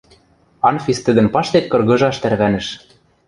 Анфис тӹдӹн паштек кыргыжаш тӓрвӓнӹш.